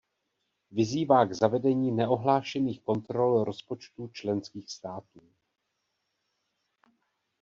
Vyzývá k zavedení neohlášených kontrol rozpočtů členských států.